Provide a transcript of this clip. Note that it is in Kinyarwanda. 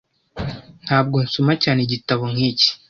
Ntabwo nsoma cyane igitabo nk'iki.